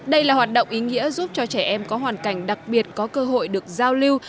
đây là hoạt động ý nghĩa giúp cho trẻ em có hoàn cảnh đặc biệt có cơ hội được giao lưu